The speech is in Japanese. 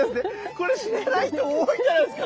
これ知らない人多いんじゃないですか？